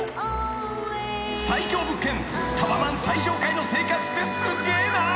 ［最強物件タワマン最上階の生活ってすげえな］